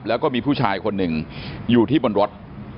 แล้วก็มีผู้ชายคนหนึ่งอยู่ที่บนรถ